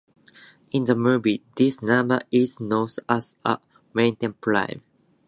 In the movie, this number is known as a "martian prime".